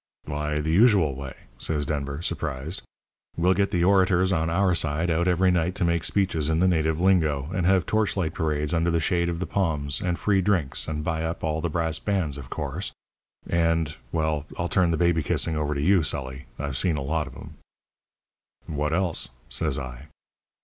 "'Why, the usual way,' says Denver, surprised. 'We'll get the orators on our side out every night to make speeches in the native lingo, and have torch light parades under the shade of the palms, and free drinks, and buy up all the brass bands, of course, and well, I'll turn the baby kissing over to you, Sully I've seen a lot of 'em.' "'What else?' says I.